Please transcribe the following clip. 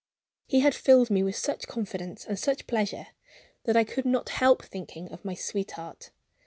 He had filled me with such confidence and such pleasure that I could not help thinking of my sweetheart.